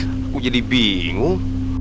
aku jadi bingung